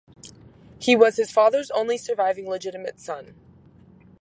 He was his father's only surviving legitimate son.